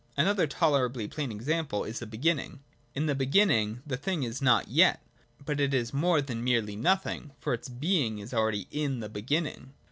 — Another tolerably plain example is a Be ginning. In its beginning, the thing is not yet, but it is more than merely nothing, for its Being is already in the beginning.